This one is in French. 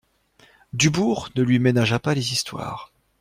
Dubourg ne lui ménagea pas les histoires.